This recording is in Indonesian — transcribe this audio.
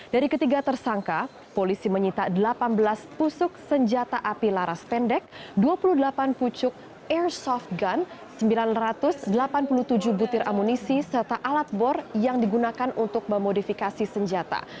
dari ketiga tersangka polisi menyita delapan belas pusuk senjata api laras pendek dua puluh delapan pucuk airsoft gun sembilan ratus delapan puluh tujuh butir amunisi serta alat bor yang digunakan untuk memodifikasi senjata